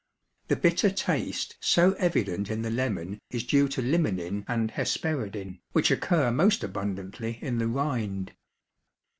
The bitter taste so evident in the lemon is due to limonin and hesperidin, which occur most abundantly in the rind.